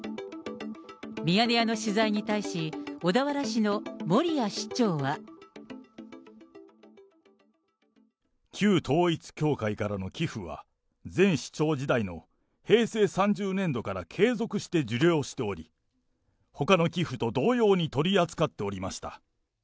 ミヤネ屋の取材に対し、旧統一教会からの寄付は、前市長時代の平成３０年度から継続して受領しており、ほかの寄付と同様に取り扱っておりました。